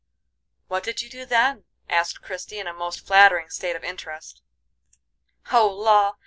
"What did you do then?" asked Christie in a most flattering state of interest. "Oh, law!